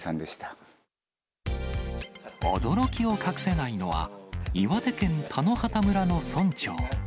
驚きを隠せないのは、岩手県田野畑村の村長。